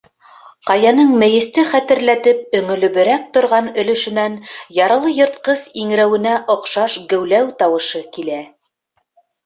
Ҡаяның мейесте хәтерләтеп өңөлөбөрәк торған өлөшөнән яралы йыртҡыс иңрәүенә оҡшаш геүләү тауышы килә.